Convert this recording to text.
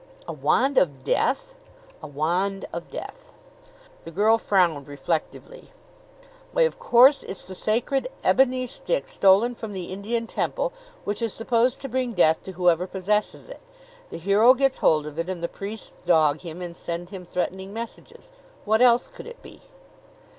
"A wand of death?" "A wand of death." The girl frowned reflectively. "Why, of course; it's the sacred ebony stick stolen from the Indian temple, which is supposed to bring death to whoever possesses it. The hero gets hold of it, and the priests dog him and send him threatening messages. What else could it be?"